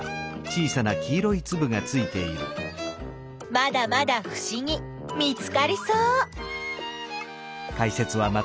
まだまだふしぎ見つかりそう！